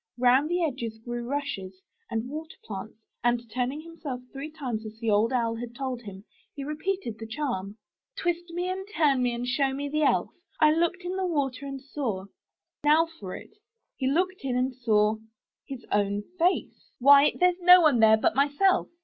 Round the edges grew rushes and water plants, and turning himself three times, as the Old Owl had told him, he repeated the charm: * Twist me and turn me and show me the Elf — I looked in the water and saw —" 31 MY BOOK HOUSE Now for it! He looked in, and saw — his own face. "Why, there's no one there but myself